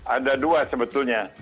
ada dua sebetulnya